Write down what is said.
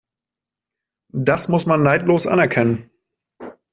Das muss man neidlos anerkennen.